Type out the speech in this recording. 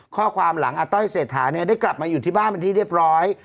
ข้อความหลังอาต้อยเศรษฐาเนี่ยได้กลับมาอยู่ที่บ้านเป็นที่เรียบร้อย